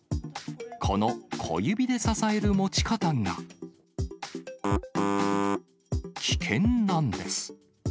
この小指で支える持ち方が、危険なんです。